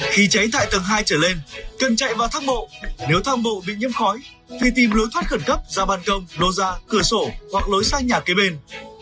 khi cháy tại tầng hai trở lên cần chạy vào thang bộ nếu thang bộ bị nhiễm khói thì tìm lối thoát khẩn cấp ra bàn công lô ra cửa sổ hoặc lối sang nhà kế bên